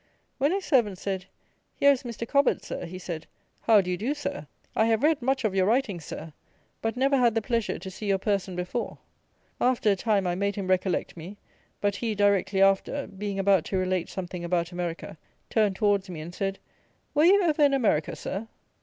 When his servant said, "Here is Mr. Cobbett, Sir;" he said, "How do you do, Sir? I have read much of your writings, Sir; but never had the pleasure to see your person before." After a time I made him recollect me; but he, directly after, being about to relate something about America, turned towards me, and said, "Were you ever in America, Sir?"